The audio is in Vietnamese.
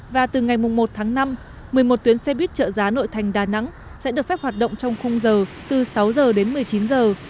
và từ ngày một tháng năm một mươi một tuyến xe buýt trợ giá nội thành đà nẵng sẽ được phép hoạt động trong khung giờ từ sáu giờ đến một mươi chín giờ